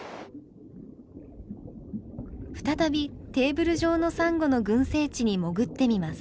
再びテーブル状のサンゴの群生地に潜ってみます。